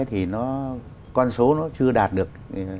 thì nó con số nó chưa đạt được